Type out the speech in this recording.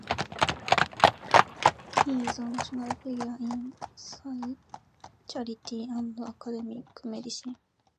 He is a national figure in psychiatry and academic medicine.